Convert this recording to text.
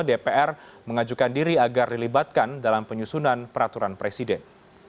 dpr mengajukan diri agar dilibatkan dalam penyusunan peraturan presiden